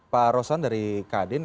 pak arosan dari kadin